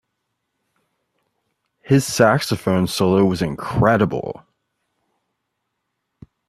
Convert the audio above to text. His saxophone solo was incredible.